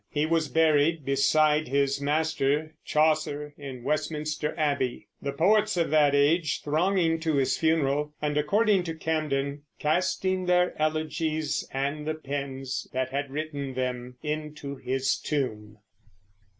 He was buried beside his master Chaucer in Westminster Abbey, the poets of that age thronging to his funeral and, according to Camden, "casting their elegies and the pens that had written them into his tomb."